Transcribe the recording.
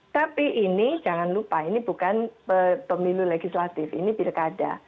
tapi ini jangan lupa ini bukan pemilu legislatif ini pilkada